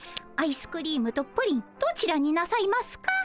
アイスクリームとプリンどちらになさいますか？